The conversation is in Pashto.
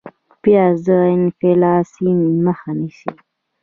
پیاز د انفلاسیون مخه نیسي